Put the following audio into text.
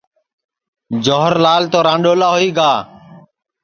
جوھر لال تو رانڈولا ہوئی گا